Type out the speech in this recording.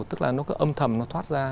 tức là nó cứ âm thầm nó thoát ra